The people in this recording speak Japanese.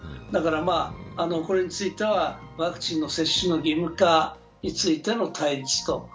だからこれについては、ワクチンの接種の義務化についての対立と。